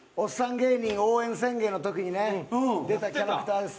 芸人応援宣言の時に出たキャラクターです。